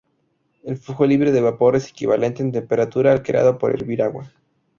El flujo libre de vapor es equivalente en temperatura al creado por hervir agua.